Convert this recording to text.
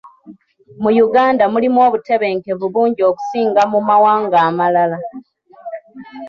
Mu Uganda mulimu obutebenkevu bungi okusinga mu mawanga amalala.